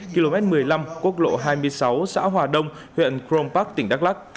km một mươi năm quốc lộ hai mươi sáu xã hòa đông huyện kronpark tỉnh đắk lắc